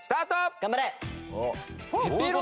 頑張れ！